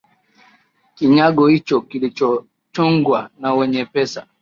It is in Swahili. kinyago hicho kilichochongwa na wenye pesa